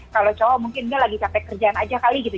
kalau cowok mungkin dia lagi capek kerjaan aja kali gitu